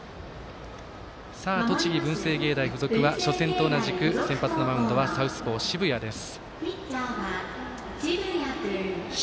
栃木、文星芸大付属は初戦と同じく先発のマウンドはサウスポー、澁谷です。